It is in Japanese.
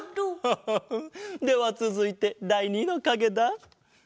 ハハハではつづいてだい２のかげだ。